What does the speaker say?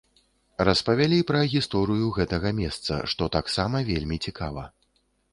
Распавялі пра гісторыю гэтага месца, што таксама вельмі цікава.